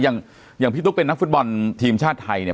อย่างพี่ทุกข์เป็นนักฟุตบอลทีมชาติไทยเนี่ย